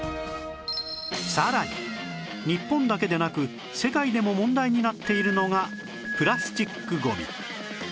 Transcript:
さらに日本だけでなく世界でも問題になっているのがプラスチックゴミ